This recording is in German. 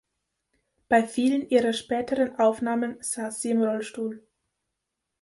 Bei vielen ihrer späteren Aufnahmen saß sie im Rollstuhl.